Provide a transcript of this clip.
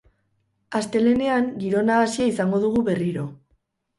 Astelehenean giro nahasia izango dugu berriro.